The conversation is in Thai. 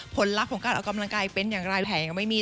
ผลลักษณ์ของการออกกำลังกายเป็นอย่างไรแถงก็ไม่มี